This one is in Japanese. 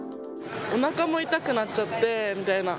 おなかも痛くなっちゃってみたいな。